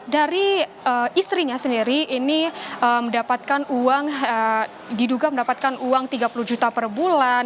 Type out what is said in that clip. dari istrinya sendiri ini mendapatkan uang diduga mendapatkan uang tiga puluh juta per bulan